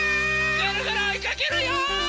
ぐるぐるおいかけるよ！